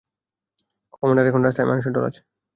Commander, এখন রাস্তায় মানুষের ঢল আছে!